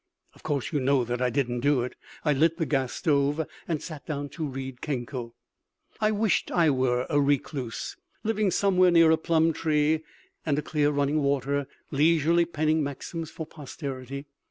Of course you know that I didn't do it. I lit the gas stove, and sat down to read Kenko. I wished I were a recluse, living somewhere near a plum tree and a clear running water, leisurely penning maxims for posterity.